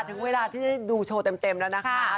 ถึงเวลาที่ได้ดูโชว์เต็มแล้วนะคะ